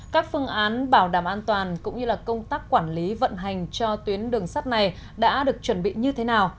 các phương án bảo đảm an toàn cũng như công tác quản lý vận hành cho tuyến đường sắt này đã được chuẩn bị như thế nào